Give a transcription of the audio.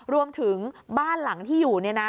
รวมถึงบ้านหลังที่อยู่